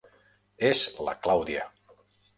És la Clàudia.